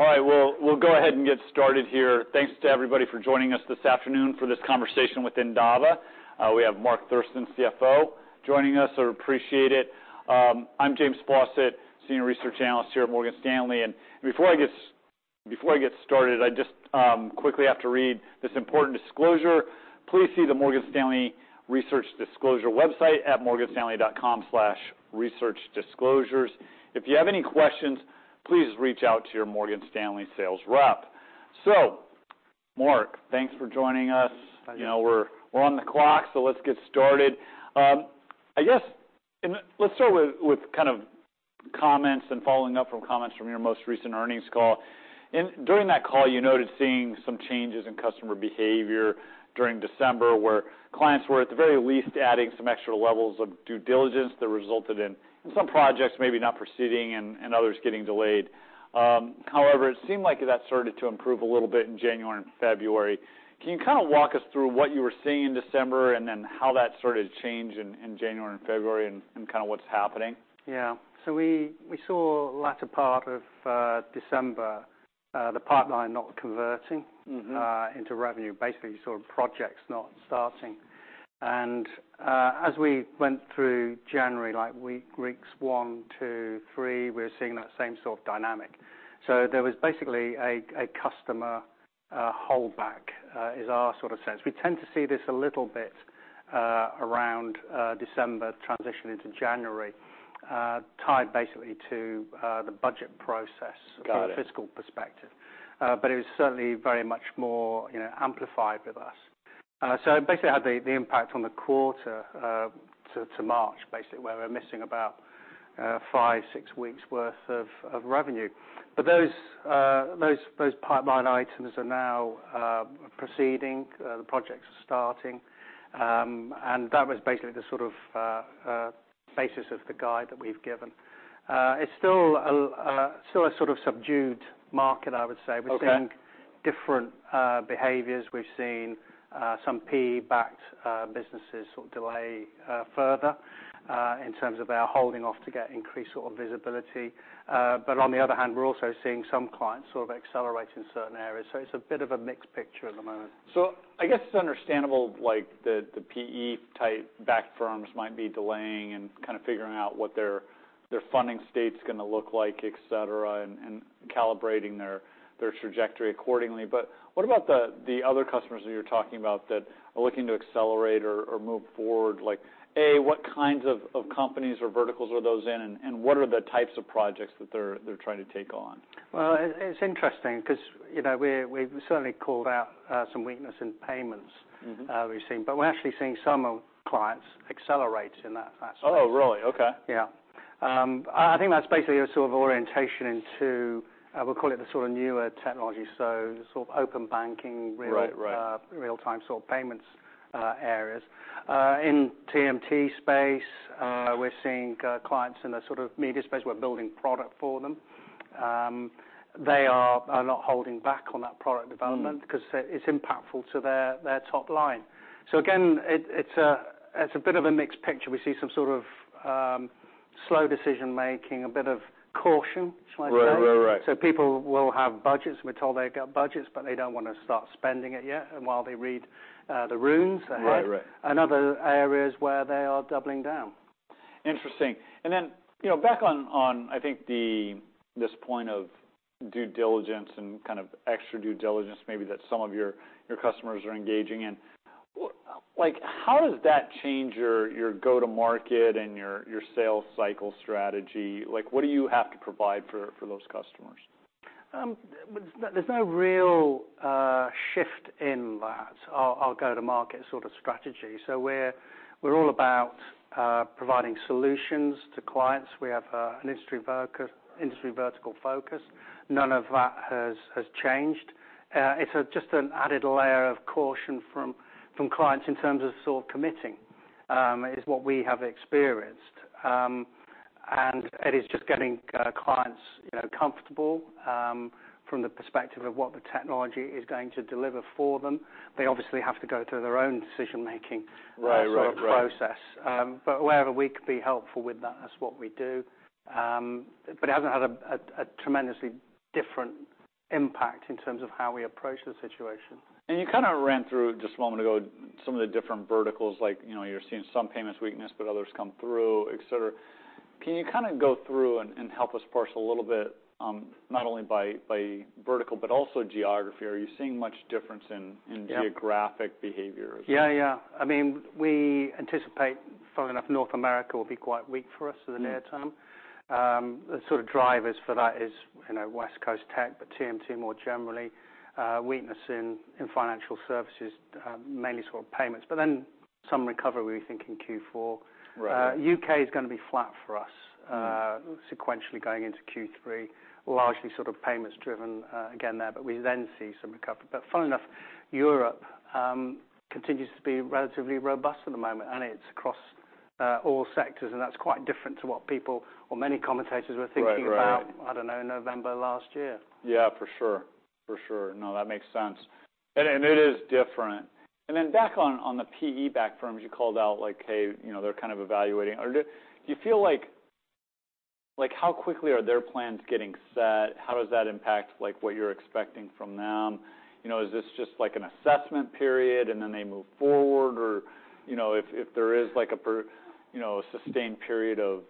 All right. Well, we'll go ahead and get started here. Thanks to everybody for joining us this afternoon for this conversation with Endava. We have Mark Thurston, CFO, joining us, so appreciate it. I'm James Faucette, Senior Research Analyst here at Morgan Stanley. Before I get before I get started, I just quickly have to read this important disclosure. Please see the Morgan Stanley Research Disclosure website at morganstanley.com/researchdisclosures. If you have any questions, please reach out to your Morgan Stanley sales rep. Mark, thanks for joining us. Thanks. You know, we're on the clock. Let's get started. I guess, let's start with kind of comments and following up from comments from your most recent earnings call. During that call, you noted seeing some changes in customer behavior during December, where clients were, at the very least, adding some extra levels of due diligence that resulted in some projects maybe not proceeding and others getting delayed. However, it seemed like that started to improve a little bit in January and February. Can you kinda walk us through what you were seeing in December, and then how that started to change in January and February and kinda what's happening? Yeah. We saw latter part of December, the pipeline not converting. Mm-hmm into revenue, basically sort of projects not starting. As we went through January, like weeks one, two, three, we were seeing that same sort of dynamic. There was basically a customer holdback, is our sort of sense. We tend to see this a little bit around December transition into January, tied basically to the budget process. Got it. from a fiscal perspective. It was certainly very much more, you know, amplified with us. Basically had the impact on the quarter to March basically, where we're missing about five, six weeks worth of revenue. Those pipeline items are now proceeding. The projects are starting. That was basically the sort of basis of the guide that we've given. It's still a sort of subdued market, I would say. Okay. We're seeing different behaviors. We've seen some PE-backed businesses sort of delay further in terms of they are holding off to get increased sort of visibility. On the other hand, we're also seeing some clients sort of accelerate in certain areas. It's a bit of a mixed picture at the moment. I guess it's understandable, like, the PE-type backed firms might be delaying and kind of figuring out what their funding state's gonna look like, et cetera, and calibrating their trajectory accordingly. What about the other customers that you're talking about that are looking to accelerate or move forward? Like, A, what kinds of companies or verticals are those in, and what are the types of projects that they're trying to take on? Well, it's interesting because, you know, we've certainly called out some weakness in payments... Mm-hmm we've seen. We're actually seeing some clients accelerate in that space. Oh, really? Okay. Yeah. I think that's basically a sort of orientation into, we'll call it the sort of newer technology, so the sort of open banking real- Right. Right. real-time sort of payments, areas. In TMT space, we're seeing, clients in the sort of media space, we're building product for them. They are not holding back on that product development. Mm. 'cause it's impactful to their top line. Again, it's a bit of a mixed picture. We see some sort of slow decision-making, a bit of caution, should I say? Right. Right. Right. People will have budgets, and we're told they've got budgets, but they don't wanna start spending it yet and while they read the runes ahead. Right. Right. Other areas where they are doubling down. Interesting. Then, you know, back on, I think this point of due diligence and kind of extra due diligence maybe that some of your customers are engaging in, like, how does that change your go-to-market and your sales cycle strategy? Like, what do you have to provide for those customers? There's no real shift in that, our go-to-market sort of strategy. We're all about providing solutions to clients. We have an industry vertical focus. None of that has changed. It's just an added layer of caution from clients in terms of sort of committing, is what we have experienced. It is just getting clients, you know, comfortable from the perspective of what the technology is going to deliver for them. They obviously have to go through their own decision-making. Right. Sort of process. Wherever we can be helpful with that's what we do. It hasn't had a tremendously different impact in terms of how we approach the situation. You kinda ran through, just a moment ago, some of the different verticals, like, you know, you're seeing some payments weakness, but others come through, et cetera. Can you kinda go through and help us parse a little bit, not only by vertical, but also geography? Are you seeing much difference? Yeah geographic behavior as well? Yeah. Yeah. I mean, we anticipate, funnily enough, North America will be quite weak for us in the near-term. Mm. The sort of drivers for that is, you know, West Coast tech, but TMT more generally. Weakness in financial services, mainly sort of payments, but then some recovery we think in Q4. Right. U.K. is gonna be flat for us, sequentially going into Q3, largely sort of payments driven, again there. We then see some recovery. Funnily enough, Europe continues to be relatively robust at the moment, and it's across all sectors, and that's quite different to what people or many commentators were thinking about. Right. Right. I don't know, November last year. Yeah, for sure. For sure. No, that makes sense. It is different. Back on the PE-backed firms you called out, like, hey, you know, they're kind of evaluating. Or do you feel like... Like, how quickly are their plans getting set? How does that impact, like, what you're expecting from them? You know, is this just like an assessment period, and then they move forward? Or, you know, if there is like a sustained period of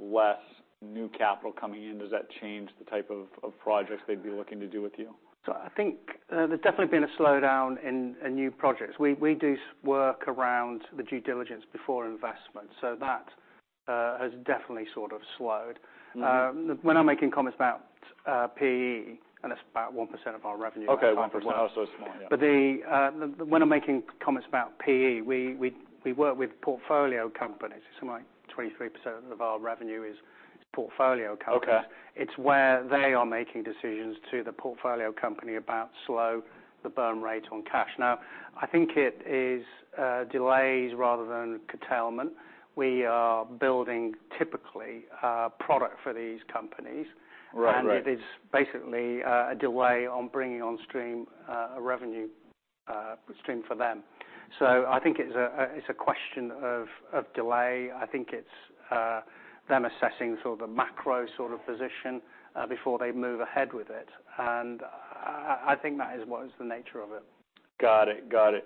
less new capital coming in, does that change the type of projects they'd be looking to do with you? I think, there's definitely been a slowdown in new projects. We do work around the due diligence before investment, that has definitely sort of slowed. Mm-hmm. When I'm making comments about PE, and it's about 1% of our revenue at the time. Okay, 1%. Oh, so it's small, yeah. When I'm making comments about PE, we work with portfolio companies. Something like 23% of our revenue is portfolio companies. Okay. It's where they are making decisions to the portfolio company about slow the burn rate on cash. Now, I think it is delays rather than curtailment. We are building typically product for these companies. Right. Right. It is basically, a delay on bringing on stream, a revenue, stream for them. I think it's a, it's a question of delay. I think it's, them assessing sort of macro sort of position, before they move ahead with it. I think that is what is the nature of it. Got it. Got it.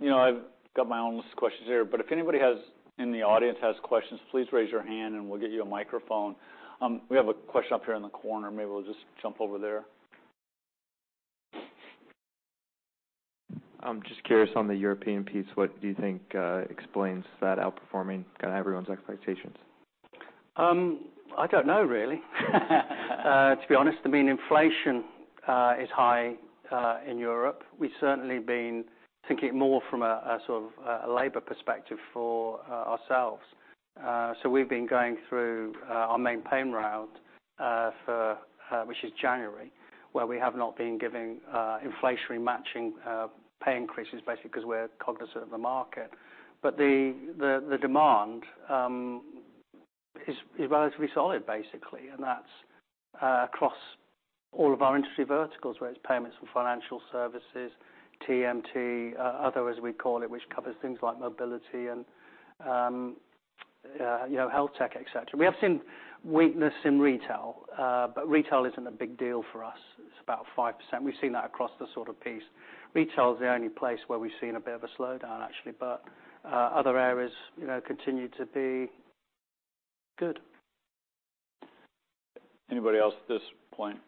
You know, I've got my own list of questions here. If anybody in the audience has questions, please raise your hand and we'll get you a microphone. We have a question up here in the corner. Maybe we'll just jump over there. I'm just curious on the European piece, what do you think explains that outperforming kind of everyone's expectations? I don't know really. To be honest, inflation is high in Europe. We've certainly been thinking more from a sort of labor perspective for ourselves. We've been going through our main pay round for which is January, where we have not been giving inflationary matching pay increases basically because we're cognizant of the market. The demand is relatively solid, basically, and that's across all of our industry verticals, whether it's payments or financial services, TMT, other as we call it, which covers things like mobility and health tech, et cetera. We have seen weakness in retail isn't a big deal for us. It's about 5%. We've seen that across the sort of piece. Retail is the only place where we've seen a bit of a slowdown, actually. Other areas, you know, continue to be good. Anybody else at this point?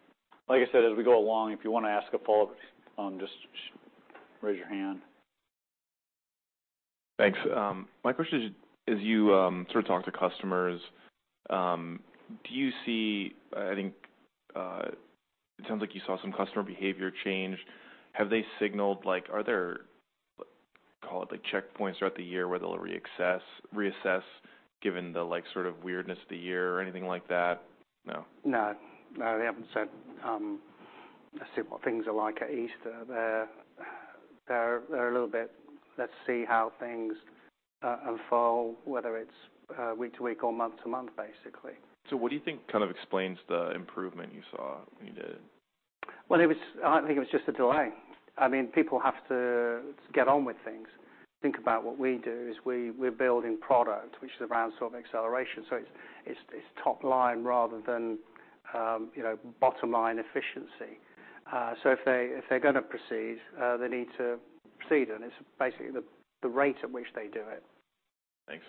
Like I said, as we go along, if you wanna ask a follow-up, just raise your hand. Thanks. My question is, as you sort of talk to customers, I think it sounds like you saw some customer behavior change. Have they signaled, like are there, call it, like checkpoints throughout the year where they'll reassess given the like sort of weirdness of the year or anything like that? No. No. No, they haven't said, let's see what things are like at Easter. They're a little bit, let's see how things unfold, whether it's week to week or month to month, basically. What do you think kind of explains the improvement you saw when you did? Well, I think it was just a delay. I mean, people have to get on with things. Think about what we do, is we're building product, which is around sort of acceleration. It's top line rather than, you know, bottom line efficiency. If they're gonna proceed, they need to proceed, and it's basically the rate at which they do it. Thanks.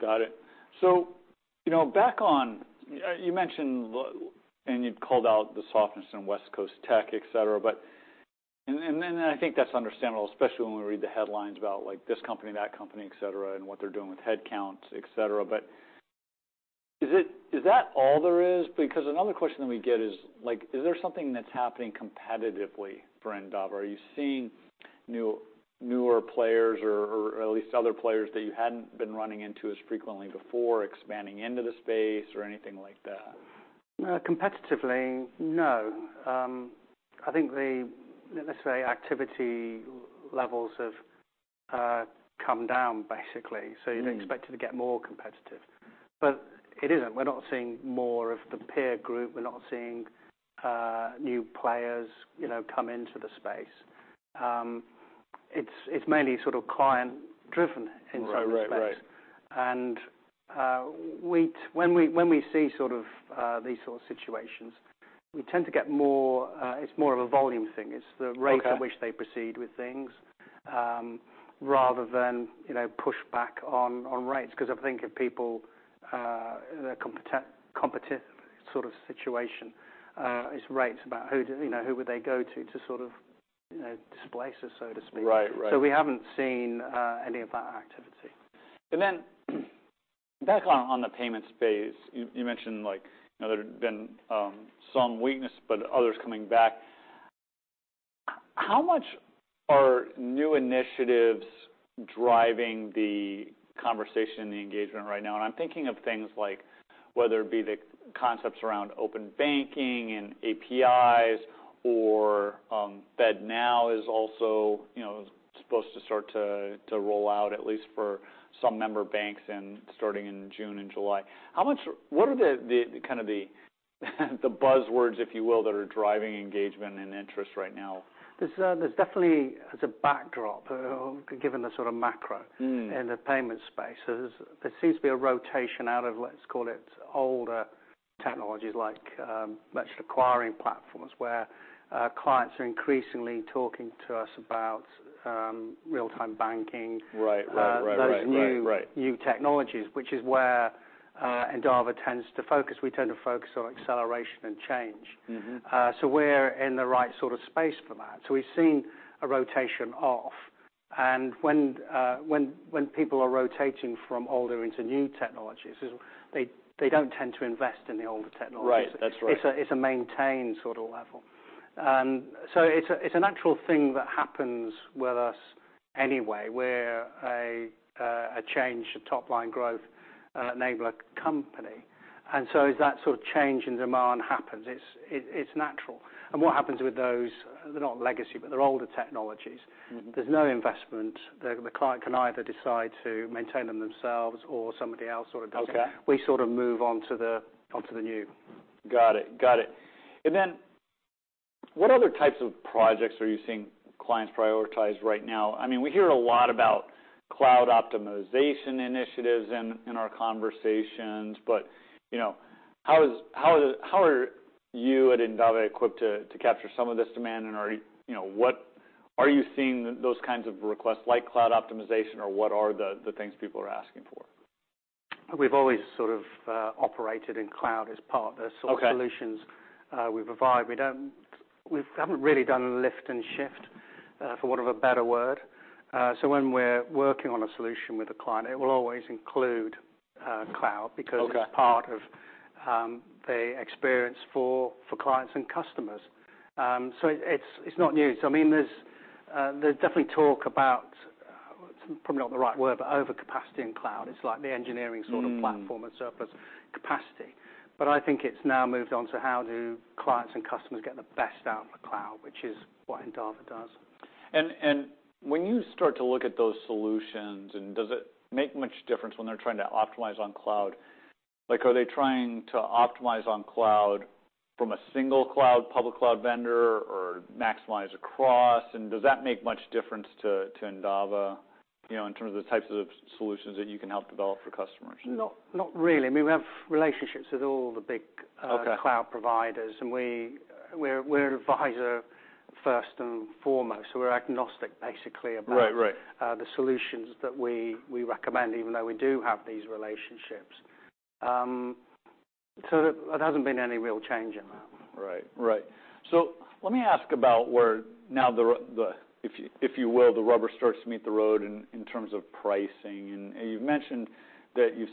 Got it. You know, back on, you mentioned and you'd called out the softness in West Coast tech, et cetera. I think that's understandable, especially when we read the headlines about like this company, that company, et cetera, and what they're doing with headcounts, et cetera. Is that all there is? Another question that we get is, like, is there something that's happening competitively for Endava? Are you seeing newer players or at least other players that you hadn't been running into as frequently before expanding into the space or anything like that? Competitively, no. I think the, let's say, activity levels have come down basically, so you'd expect it to get more competitive. It isn't. We're not seeing more of the peer group. We're not seeing new players, you know, come into the space. It's, it's mainly sort of client driven in some respects. Right. Right. Right. When we see sort of, these sort of situations, we tend to get more, it's more of a volume thing. Okay. It's the rate at which they proceed with things, rather than, you know, push back on rates. 'Cause I think if people, in a sort of situation, it's rates about who, you know, who would they go to to sort of, you know, displace us, so to speak. Right. Right. We haven't seen any of that activity. Back on the payment space, you mentioned like, you know, there'd been some weakness, but others coming back. How much are new initiatives driving the conversation and the engagement right now? I'm thinking of things like whether it be the concepts around open banking and APIs or FedNow is also, you know, supposed to start to roll out at least for some member banks starting in June and July. How much what are the kind of the buzzwords, if you will, that are driving engagement and interest right now? There's definitely as a backdrop, given the sort of. Mm. in the payment space. There seems to be a rotation out of, let's call it older technologies like, merchant acquiring platforms where, clients are increasingly talking to us about, real-time banking. Right. Right, right, right. Right, right. Those new technologies, which is where Endava tends to focus. We tend to focus on acceleration and change. Mm-hmm. We're in the right sort of space for that. We've seen a rotation off and when people are rotating from older into new technologies, they don't tend to invest in the older technologies. Right. That's right. It's a, it's a maintain sort of level. It's a, it's a natural thing that happens with us anyway, where a change to top line growth, enable a company. As that sort of change in demand happens, it's natural. What happens with those, they're not legacy, but they're older technologies. Mm-hmm. There's no investment. The client can either decide to maintain them themselves or somebody else sort of does it. Okay. We sort of move on to the new. Got it. Got it. What other types of projects are you seeing clients prioritize right now? I mean, we hear a lot about cloud optimization initiatives in our conversations, but, you know, how are you at Endava equipped to capture some of this demand? You know, are you seeing those kinds of requests like cloud optimization or what are the things people are asking for? We've always sort of operated in cloud. Okay. of the solutions, we provide. We haven't really done lift and shift, for want of a better word. When we're working on a solution with a client, it will always include, cloud because- Okay. It's part of, the experience for clients and customers. It's, it's not new. I mean, there's definitely talk about, it's probably not the right word, but overcapacity in cloud. It's like the engineering sort of- Mm. platform and surplus capacity. I think it's now moved on to how do clients and customers get the best out of the cloud, which is what Endava does. When you start to look at those solutions, does it make much difference when they're trying to optimize on cloud? Like, are they trying to optimize on cloud from a single cloud, public cloud vendor or maximize across? Does that make much difference to Endava, you know, in terms of the types of solutions that you can help develop for customers? Not really. I mean, we have relationships with all the big. Okay. -cloud providers, and we're advisor first and foremost. We're agnostic basically. Right. Right. the solutions that we recommend even though we do have these relationships. There hasn't been any real change in that. Right. Let me ask about where now the rubber starts to meet the road in terms of pricing. You've mentioned that you've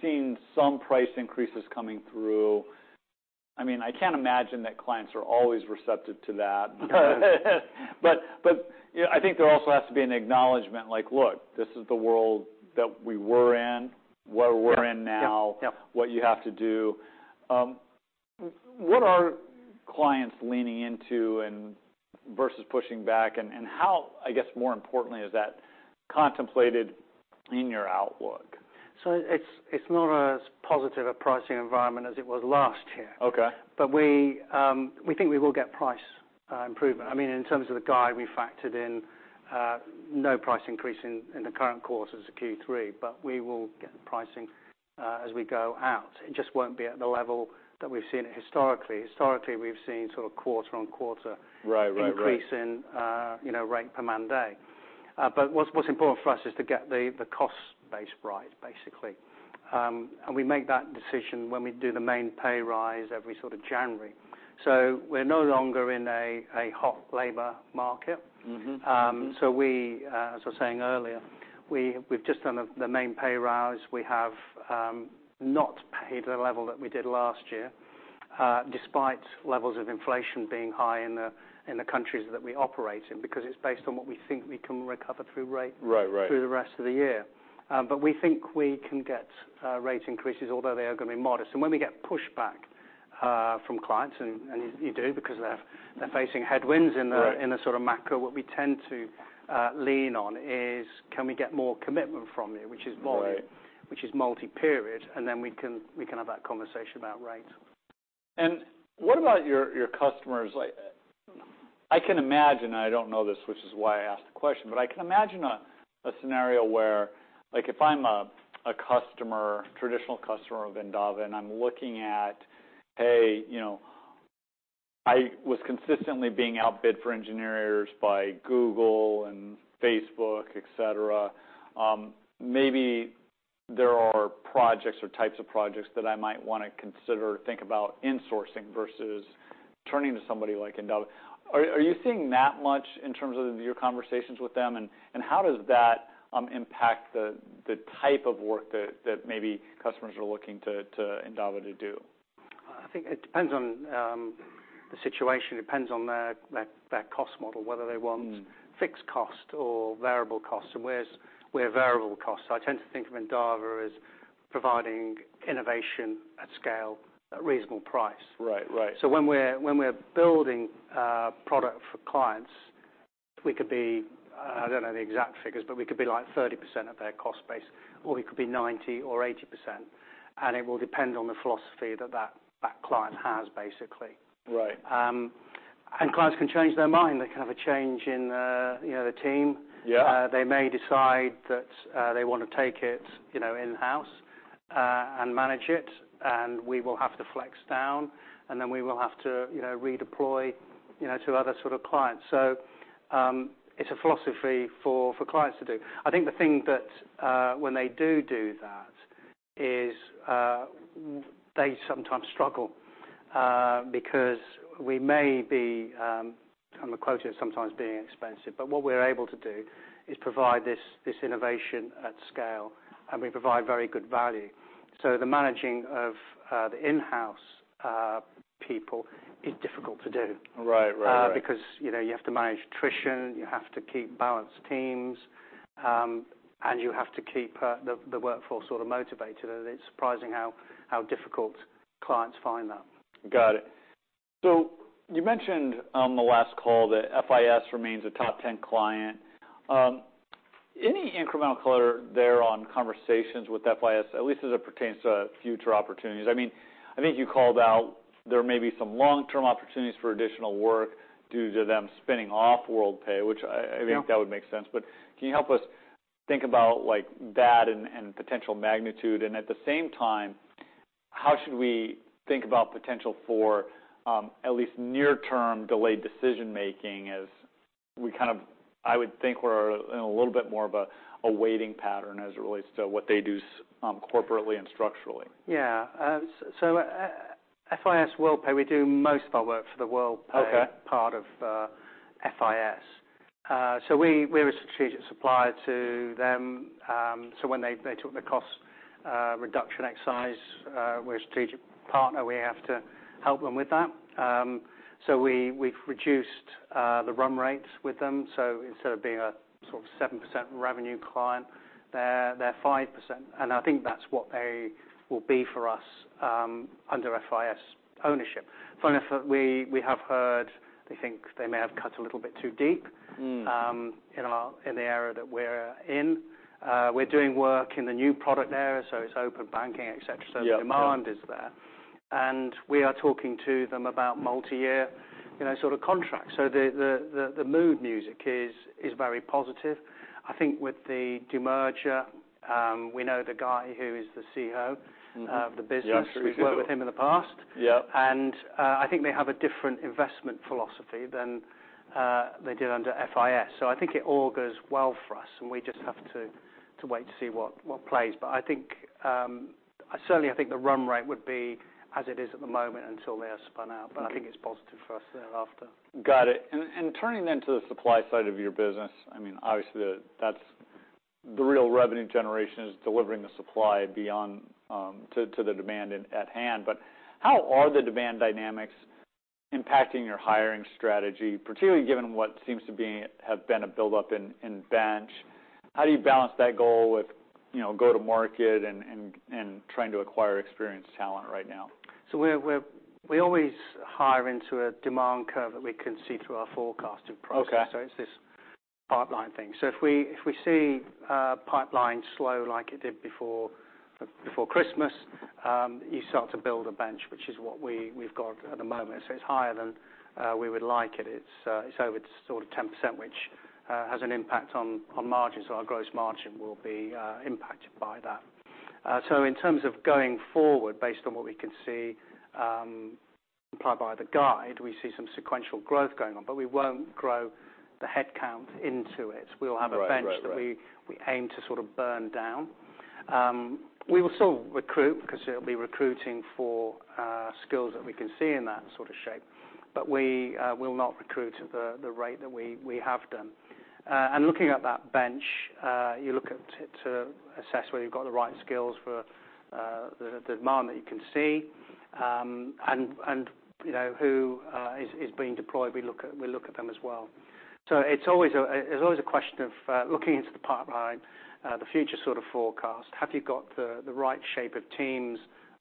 seen some price increases coming through. I mean, I can't imagine that clients are always receptive to that. No. you know, I think there also has to be an acknowledgment like, "Look, this is the world that we were in, where we're in now. Yep. Yep. what you have to do." What are clients leaning into versus pushing back and how, I guess more importantly, is that contemplated in your outlook? It's not as positive a pricing environment as it was last year. Okay. We think we will get price improvement. I mean, in terms of the guide we factored in, no price increase in the current quarter as of Q3, but we will get pricing as we go out. It just won't be at the level that we've seen it historically. Historically, we've seen sort of quarter on quarter... Right. Right. Right. increase in, you know, rate per man day. What's important for us is to get the cost base right, basically. We make that decision when we do the main pay rise every sort of January. We're no longer in a hot labor market. Mm-hmm. Mm-hmm. We, as I was saying earlier, we've just done the main pay rise. We have not paid at the level that we did last year, despite levels of inflation being high in the countries that we operate in, because it's based on what we think we can recover through rate-. Right. Right. Through the rest of the year. We think we can get rate increases, although they are gonna be modest. When we get pushback, from clients and you do because they're facing headwinds. Right. in a sort of macro, what we tend to lean on is can we get more commitment from you, which is volume. Right. which is multi-period, and then we can have that conversation about rates. What about your customers like... I can imagine, I don't know this, which is why I asked the question, but I can imagine a scenario where like if I'm a customer, traditional customer of Endava and I'm looking at, hey, you know, I was consistently being outbid for engineers by Google and Facebook, et cetera, maybe there are projects or types of projects that I might wanna consider or think about insourcing versus turning to somebody like Endava. Are you seeing that much in terms of your conversations with them and how does that impact the type of work that maybe customers are looking to Endava to do? I think it depends on the situation. It depends on their cost model. Mm. fixed cost or variable costs, we're variable costs. I tend to think of Endava as providing innovation at scale at reasonable price. Right. Right. When we're building product for clients. We could be, I don't know the exact figures, but we could be like 30% of their cost base, or we could be 90% or 80%. It will depend on the philosophy that client has, basically. Right. Clients can change their mind. They can have a change in, you know, the team. Yeah. They may decide that they want to take it, you know, in-house and manage it, then we will have to flex down, then we will have to, you know, redeploy, you know, to other sort of clients. It's a philosophy for clients to do. I think the thing that when they do that is they sometimes struggle because we may be and we're quoted as sometimes being expensive. What we're able to do is provide this innovation at scale, and we provide very good value. The managing of the in-house people is difficult to do. Right. Right. Right. Because, you know, you have to manage attrition, you have to keep balanced teams, and you have to keep the workforce sort of motivated. It's surprising how difficult clients find that. Got it. You mentioned on the last call that FIS remains a top 10 client. Any incremental color there on conversations with FIS, at least as it pertains to future opportunities? I mean, I think you called out there may be some long-term opportunities for additional work due to them spinning off Worldpay. Yeah. I think that would make sense. Can you help us think about, like, that and potential magnitude? At the same time, how should we think about potential for at least near-term delayed decision-making? I would think we're in a little bit more of a waiting pattern as it relates to what they do corporately and structurally. Yeah. FIS Worldpay, we do most of our work for the Okay. part of FIS. We're a strategic supplier to them. When they took the cost reduction exercise, we're a strategic partner, we have to help them with that. We've reduced the run rates with them. Instead of being a sort of 7% revenue client, they're 5%, and I think that's what they will be for us under FIS ownership. Funny, we have heard they think they may have cut a little bit too deep. Mm. in the area that we're in. We're doing work in the new product area, it's Open banking, et cetera. Yeah. Yeah. The demand is there. We are talking to them about multiyear, you know, sort of contracts. The mood music is very positive. I think with the demerger, we know the guy who is the CEO of the business. Yeah, sure. You do. We've worked with him in the past. Yeah. I think they have a different investment philosophy than they did under FIS. I think it all goes well for us, and we just have to wait to see what plays. I think, certainly, I think the run rate would be as it is at the moment until they are spun out. Okay. I think it's positive for us thereafter. Got it. Turning to the supply side of your business, I mean, obviously, that's the real revenue generation is delivering the supply beyond to the demand at hand. How are the demand dynamics impacting your hiring strategy, particularly given what seems to be have been a buildup in bench? How do you balance that goal with, you know, go to market and trying to acquire experienced talent right now? we always hire into a demand curve that we can see through our forecast in progress. Okay. It's this pipeline thing. If we see pipeline slow like it did before Christmas, you start to build a bench, which is what we've got at the moment. It's higher than we would like it. It's over sort of 10%, which has an impact on margins. Our gross margin will be impacted by that. In terms of going forward, based on what we can see, apply by the guide, we see some sequential growth going on, but we won't grow the headcount into it. Right. Right. Right. We'll have a bench that we aim to sort of burn down. We will still recruit because it'll be recruiting for skills that we can see in that sort of shape, but we will not recruit at the rate that we have done. Looking at that bench, you look at it to assess whether you've got the right skills for the demand that you can see, and, you know, who is being deployed. We look at them as well. It's always a question of looking into the pipeline, the future sort of forecast. Have you got the right shape of teams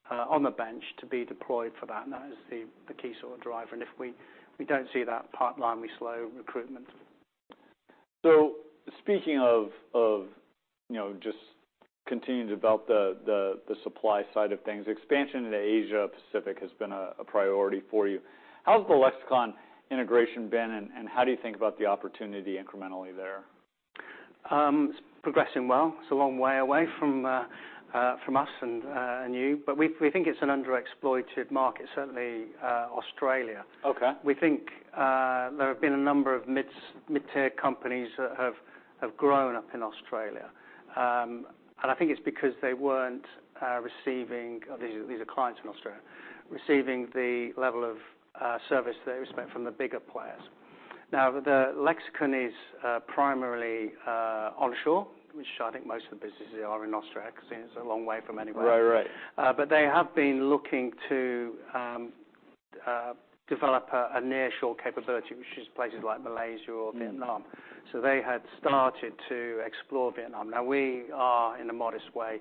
on the bench to be deployed for that? That is the key sort of driver. If we don't see that pipeline, we slow recruitment. speaking of, you know, just continuing to develop the supply side of things, expansion into Asia-Pacific has been a priority for you. How has the Lexicon integration been, and how do you think about the opportunity incrementally there? It's progressing well. It's a long way away from us and you, but we think it's an underexploited market, certainly, Australia. Okay. We think there have been a number of mid-tier companies that have grown up in Australia. I think it's because they weren't receiving... These are clients in Australia. Receiving the level of service they expect from the bigger players. The Lexicon is primarily onshore, which I think most of the businesses are in Australia because it's a long way from anywhere. Right. Right. They have been looking to develop a nearshore capability, which is places like Malaysia or Vietnam. So they had started to explore Vietnam. Now we are in a modest way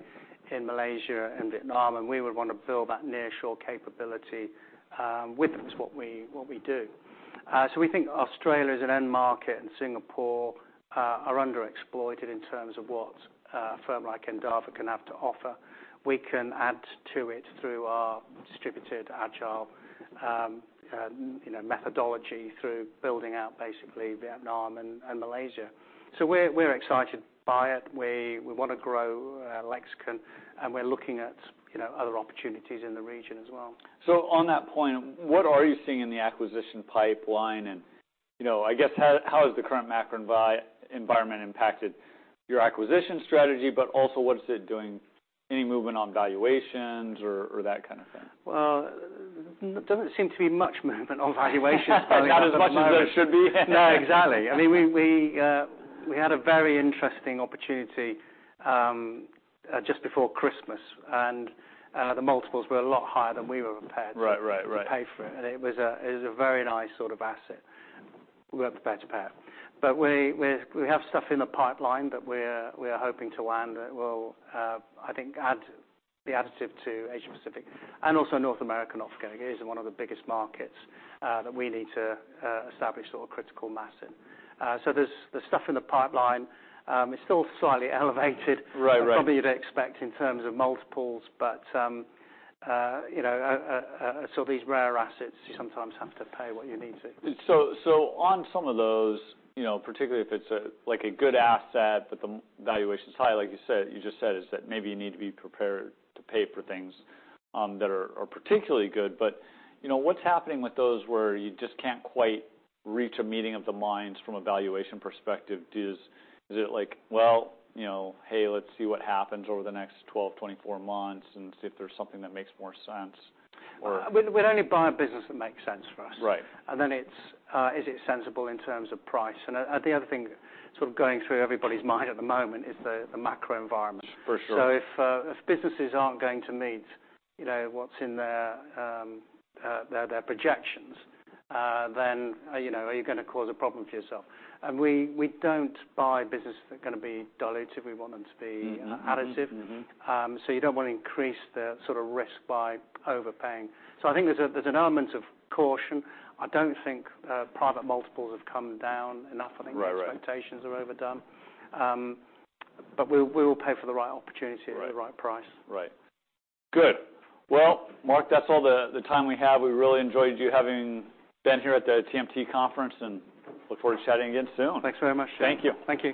in Malaysia and Vietnam, and we would want to build that nearshore capability with us, what we do. We think Australia is an end market, and Singapore are underexploited in terms of what a firm like Endava can have to offer. We can add to it through our distributed agile, you know, methodology through building out basically Vietnam and Malaysia. We're excited by it. We wanna grow Lexicon, and we're looking at, you know, other opportunities in the region as well. On that point, what are you seeing in the acquisition pipeline and, you know, I guess how has the current macro environment impacted your acquisition strategy, but also, what is it doing, any movement on valuations or that kind of thing? Well, there doesn't seem to be much movement on valuations. Not as much as there should be. No, exactly. I mean, we had a very interesting opportunity, just before Christmas, and the multiples were a lot higher than we were prepared. Right. to pay for it was a very nice sort of asset. We weren't prepared to pay. We have stuff in the pipeline that we're hoping to land that will, I think add the additive to Asia-Pacific and also North America, not forgetting. It is one of the biggest markets that we need to establish sort of critical mass in. There's stuff in the pipeline. It's still slightly elevated. Right. Right. than probably you'd expect in terms of multiples. You know, these rare assets, you sometimes have to pay what you need to. On some of those, you know, particularly if it's a, like, a good asset but the valuation's high, like you said, you just said, is that maybe you need to be prepared to pay for things that are particularly good. You know, what's happening with those where you just can't quite reach a meeting of the minds from a valuation perspective? Is it like, well, you know, hey, let's see what happens over the next 12, 24 months and see if there's something that makes more sense? Or- We'd only buy a business that makes sense for us. Right. Then it's, is it sensible in terms of price? The other thing sort of going through everybody's mind at the moment is the macro environment. For sure. If businesses aren't going to meet, you know, what's in their projections, then, you know, are you gonna cause a problem for yourself? We don't buy businesses that are gonna be dilutive. We want them to be. Mm-hmm. Mm-hmm. additive. you don't wanna increase the sort of risk by overpaying. I think there's an element of caution. I don't think private multiples have come down enough. Right. Right. I think these expectations are overdone. We will pay for the right opportunity. Right at the right price. Mark, that's all the time we have. We really enjoyed you having been here at the TMT conference, look forward to chatting again soon. Thanks very much. Thank you. Thank you.